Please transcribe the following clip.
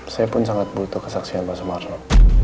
saya pun sangat butuh kesaksian pak sumarno